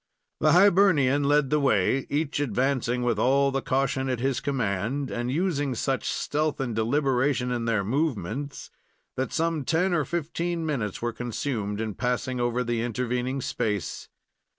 The Hibernian led the way, each advancing with all the caution at his command, and using such stealth and deliberation in their movements that some ten or fifteen minutes were consumed in passing over the intervening space.